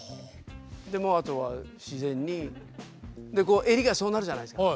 でもあとは自然に襟がそうなるじゃないですか。